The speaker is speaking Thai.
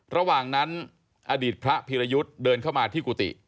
ระหว่างนั้นอดีตพระพีรยุทธ์เดินเข้ามาที่กุฏิ